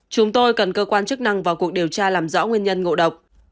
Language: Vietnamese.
chúng tôi cần cơ quan chức năng vào cuộc điều tra làm rõ nguyên nhân ngộ độc